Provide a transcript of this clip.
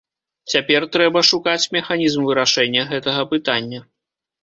Цяпер трэба шукаць механізм вырашэння гэтага пытання.